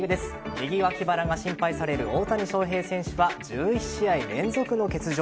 右脇腹が心配される大谷翔平選手は１１試合連続の欠場。